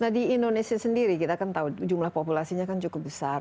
nah di indonesia sendiri kita kan tahu jumlah populasinya kan cukup besar